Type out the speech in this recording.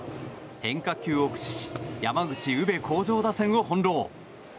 変化球を駆使し山口・宇部鴻城打線を翻弄。